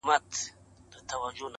چي ستا د شونډو د ربېښلو کيسه ختمه نه ده